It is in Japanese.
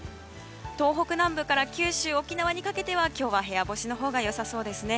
東北南部から九州、沖縄にかけては今日は部屋干しのほうが良さそうですね。